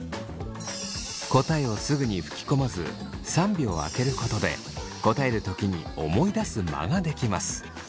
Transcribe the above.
答えをすぐに吹き込まず３秒空けることで答える時に思い出す間が出来ます。